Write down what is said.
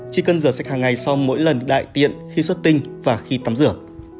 chỉ cần rửa sạch hàng ngày sau mỗi lần đại tiện khi xuất tinh và khi tắm rửa